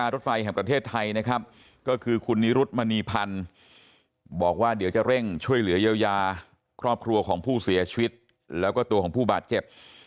จะปิดว่าครอบครัวของผู้เสียชีวิตแล้วก็ตัวของผู้บาดเจ็บ